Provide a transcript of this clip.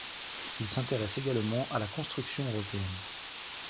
Il s'intéresse également à la construction européenne.